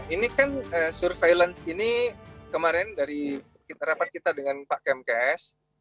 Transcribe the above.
ini kan surveillance ini kemarin dari rapat kita dengan pak kemkes